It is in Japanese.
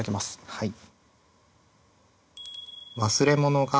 はい。